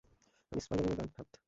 আমি স্পাইডার-ম্যানের ডানহাত।